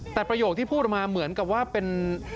แต่ประโยคที่พูดออกมาเหมือนกับว่าเป็น